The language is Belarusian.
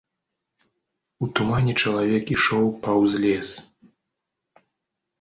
У тумане чалавек ішоў паўз лес.